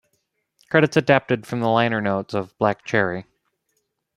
Credits adapted from the liner notes of "Black Cherry".